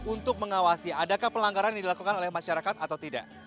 untuk mengawasi adakah pelanggaran yang dilakukan oleh masyarakat atau tidak